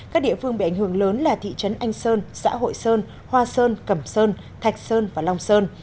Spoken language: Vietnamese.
các địa phương bị ảnh hưởng lớn là thị trấn anh sơn xã hội sơn hoa sơn cẩm sơn thạch sơn và long sơn